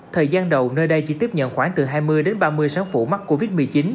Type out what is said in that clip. thời gian đầu nơi đây chỉ tiếp nhận khoảng từ hai mươi đến ba mươi sáu phụ mắc covid một mươi chín